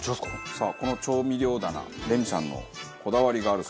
さあこの調味料棚レミさんのこだわりがあるそうですけど。